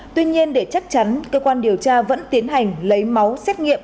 tuy nhiên để chắc chắn cơ quan điều tra vẫn tiến hành lấy máu xét nghiệm